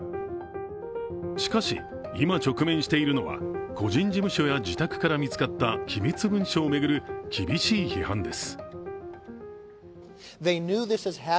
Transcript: しかし今、直面しているのは個人事務所や自宅から見つかった機密文書を巡る厳しい批判です。